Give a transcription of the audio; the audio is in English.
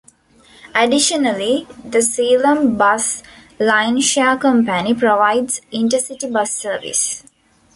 Additionally, the Selam Bus Line Share Company provides inter-city bus service.